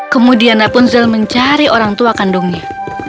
kemudian rapunzel mencari orang tua kandungnya